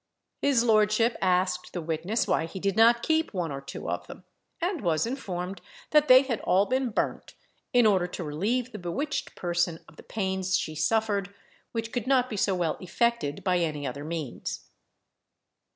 His lordship asked the witness why he did not keep one or two of them, and was informed that they had all been burnt, in order to relieve the bewitched person of the pains she suffered, which could not be so well effected by any other means.